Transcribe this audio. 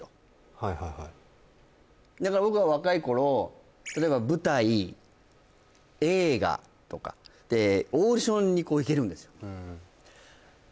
はいはいだから僕は若い頃例えば舞台映画とかってオーディションに行けるんですよ